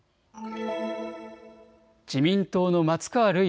自民党の松川るい